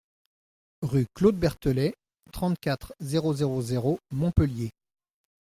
Rue Claude Berthollet, trente-quatre, zéro zéro zéro Montpellier